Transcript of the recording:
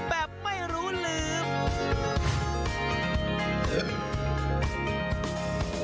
แบบไม่รู้ลืม